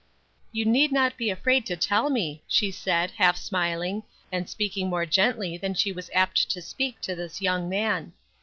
"You need not be afraid to tell me," she said, half smiling, and speaking more gently than she was apt to speak to this young man.